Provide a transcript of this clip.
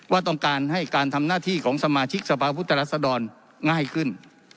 ว่าต้องการให้การทำหน้าที่ของสมาชิกสภาพุทธรัศดรง่ายขึ้น